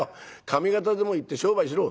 上方でも行って商売しろ」。